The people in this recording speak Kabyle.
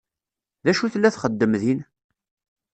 D acu tella txeddem din?